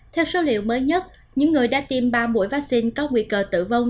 theo số liệu mới nhất những người đã tiêm ba mũi vaccine có nguy cơ tử vong